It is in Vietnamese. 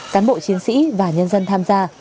cán bộ chiến sĩ và nhân dân tham gia